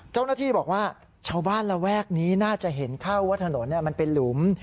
เจ้าหน้าที่บอกว่าชาวบ้านระแวกนี้น่าจะเห็นเข้าว่าถนนมันเป็นหลุม